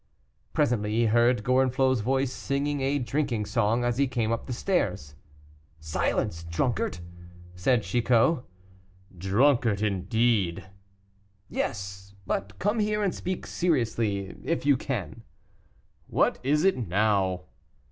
Presently he heard Gorenflot's voice, singing a drinking song as he came up the stairs. "Silence, drunkard!" said Chicot. "Drunkard, indeed!" "Yes; but come here and speak seriously, if you can." "What is it now?"